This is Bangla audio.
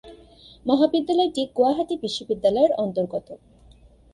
মহাবিদ্যালয়টি গুয়াহাটি বিশ্ববিদ্যালয়ের অন্তর্গত।